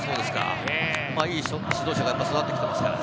いい指導者が育ってきてますからね。